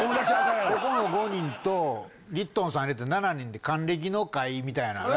ここの５人とリットンさん入れて７人で還暦の会みたいなんＬＩＮＥ